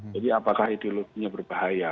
jadi apakah ideologinya berbahaya